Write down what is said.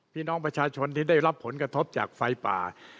พี่น้องประชาชนที่ได้รับผลกระทบจากไฟป่า